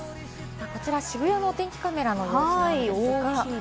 こちら渋谷のお天気カメラの様子なんですが。